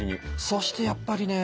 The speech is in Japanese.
そしてやっぱりね。